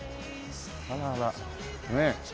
あららねえ。